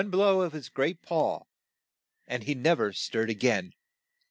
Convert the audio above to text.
blow with his great paw, and he nev er stirred a gain.